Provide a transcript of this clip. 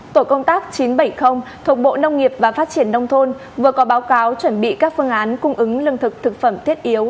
tổ công tác chín trăm bảy mươi thuộc bộ nông nghiệp và phát triển nông thôn vừa có báo cáo chuẩn bị các phương án cung ứng lương thực thực phẩm thiết yếu